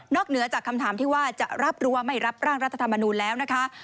เหนือจากคำถามที่ว่าจะรับรู้ว่าไม่รับร่างรัฐธรรมนูลแล้วนะคะ